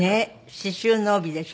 刺しゅうの帯でしょ？